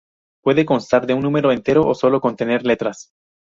Puede constar de un número entero sólo, o contener letras.